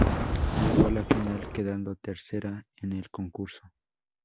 Llegó a la final quedando tercera en el concurso.